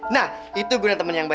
nah itu guna temen yang baik